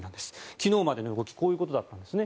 昨日までの動きはこういうことだったんですね。